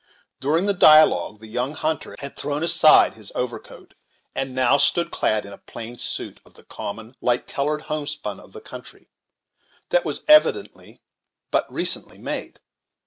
During the dialogue the young hunter had thrown aside his overcoat, and now stood clad in a plain suit of the common, light colored homespun of the country, that was evidently but recently made.